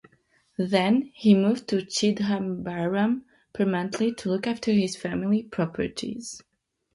Then he moved to Chidhambaram permanently to look after his family properties.